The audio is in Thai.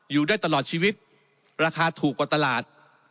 อยู่ได้ตลอดชีวิตราคาถูกกว่าตลาด